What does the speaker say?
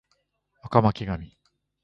赤巻紙